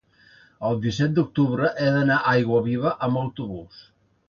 el disset d'octubre he d'anar a Aiguaviva amb autobús.